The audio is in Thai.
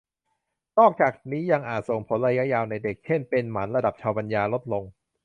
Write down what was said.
นอกจากนี้ยังอาจส่งผลระยะยาวในเด็ก เช่น เป็นหมัน ระดับเชาว์ปัญญาลดลง